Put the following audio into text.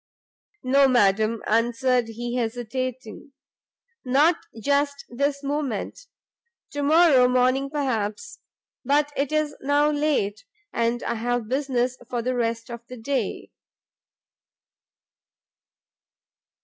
"No, madam," answered he hesitating, "not just this moment; to morrow morning perhaps, but it is now late, and I have business for the rest of the day."